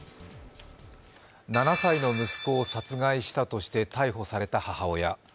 ７歳の息子を殺害したとして逮捕された母親。